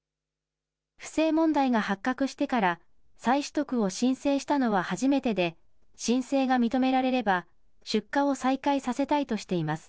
不正問題が発覚してから再取得を申請したのは初めてで、申請が認められれば、出荷を再開させたいとしています。